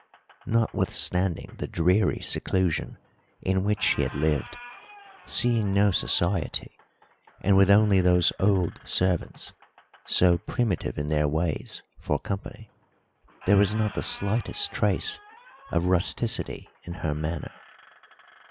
Notwithstanding the dreary seclusion in which she had lived, seeing no society, and with only those old servants, so primitive in their ways, for company, there was not the slightest trace of rusticity in her manner.